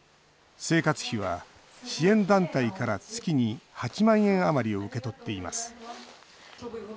生活費は支援団体から月に８万円余りを受け取っています。